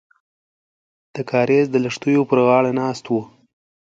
د کاریز د لښتیو پر غاړه ناست وو.